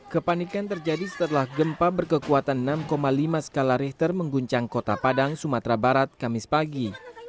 kepanikan terjadi setelah gempa berkekuatan enam lima skala richter mengguncang kota padang sumatera barat kamis pagi